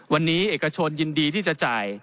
วันนี้เอกชนยินดีที่จะจ่าย